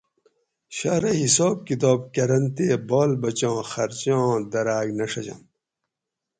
شارئی حساب کتاب کۤرنت تے باۤل بچاں خرچاں دراۤک نہ ڛجنت